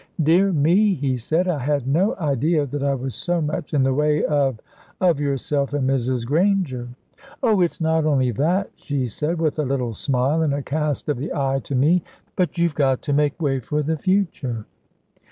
"Dear me," he said, "I had no idea that I was so much in the way of of yourself and Mrs. Granger." "Oh, it's not only that," she said, with a little smile and a cast of the eye to me. "But you've got to make way for the future."